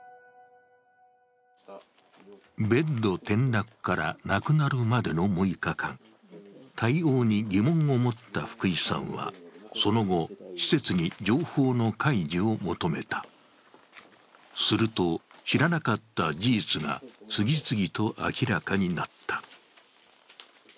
ベッド転落から亡くなるまでの６日間、対応に疑問を持った福井さんは、その後、施設に情報の開示を求めたすると、知らなかった事実が次々と明らかになった。